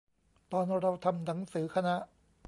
ตอนเราทำหนังสือคณะ